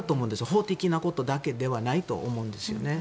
法的なことだけではないと思うんですよね。